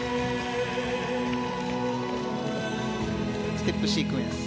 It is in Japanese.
ステップシークエンス。